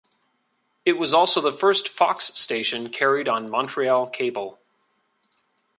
It was also the first Fox station carried on Montreal cable.